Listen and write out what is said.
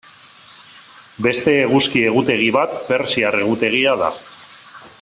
Beste eguzki egutegi bat persiar egutegia da.